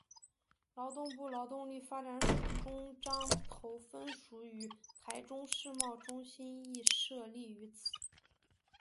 劳动部劳动力发展署中彰投分署与台中世贸中心亦设立于此。